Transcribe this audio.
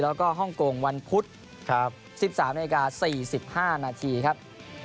แล้วก็ฮ่องกงวันพุธ๑๓นาฬิกา๔๕นาทีครับ